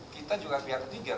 kita juga pihak ketiga